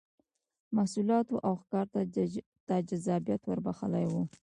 محصولاتو او ښکار ته جذابیت ور بخښلی و